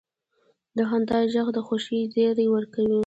د خندا ږغ د خوښۍ زیری ورکوي.